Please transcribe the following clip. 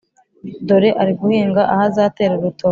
dore ari guhinga aho azatera urutoke